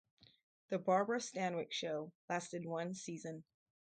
"The Barbara Stanwyck Show" lasted one season.